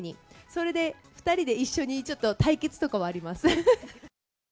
それで２人で一緒にちょっと対決とかはあります。